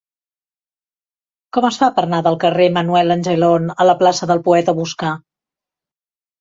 Com es fa per anar del carrer de Manuel Angelon a la plaça del Poeta Boscà?